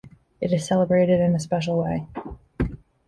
It is celebrated in a special way.